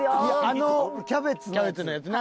あのキャベツのやつ。